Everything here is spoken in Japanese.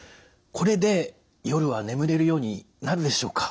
これで夜は眠れるようになるでしょうか？